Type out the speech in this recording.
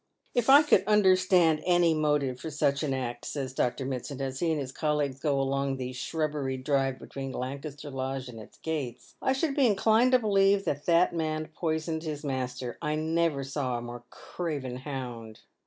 " If I could understand any motive for such an act," says Dr. Mitsand, as he and his colleagues go along the shrabberied drive between Lancaster Lodge and its gates, "I should be inclined to believe that that man poisoned his master. I never saw a more craven hound.